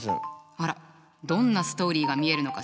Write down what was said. あらどんなストーリーが見えるのかしら？